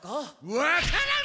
わからん！